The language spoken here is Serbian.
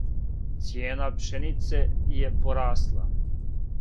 Цијена пшенице је порасла.